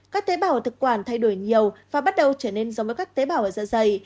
các tế bảo ở thực quản thay đổi nhiều và bắt đầu trở nên giống với các tế bảo ở dạ dày